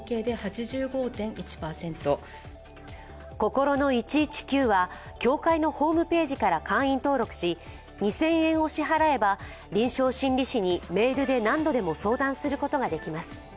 こころの１１９は、協会のホームページから会員登録し、２０００円を支払えば臨床心理士にメールで何度でも相談することができます。